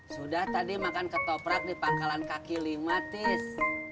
sudah tadi makan ketoprak di pangkalan kaki lima tis